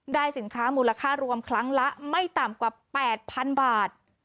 สินค้ามูลค่ารวมครั้งละไม่ต่ำกว่า๘๐๐๐บาท